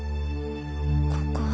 ここは